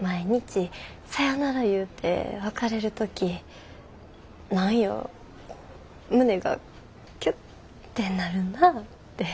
毎日さよなら言うて別れる時何や胸がキュッてなるなぁて。